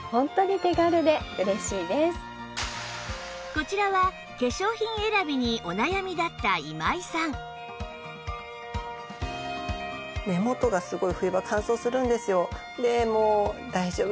こちらは化粧品選びにお悩みだった今井さんなんかそれを。